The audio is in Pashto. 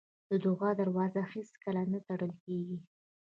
د دعا دروازه هېڅکله نه تړل کېږي.